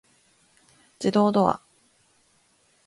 自動ドア